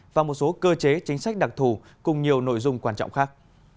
và một số cơ chế chính sách đặc thù cùng nhiều nội dung quan trọng khác